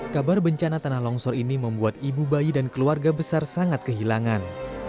kabar bencana tanah longsor ini membuat ibu bayi dan keluarga besar sangat kehilangan